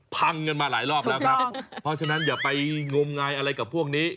พังกันมาหลายรอบแล้วครับเพราะฉะนั้นอย่าไปงมงายอะไรกับพวกนี้